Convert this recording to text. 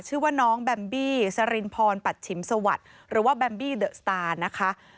ชื่อว่าน้องแบมบี้สรินพรปัชฉิมสวัสดิ์หรือว่าแบมบี้เดอะสตาร์นะคะ